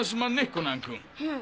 コナン君。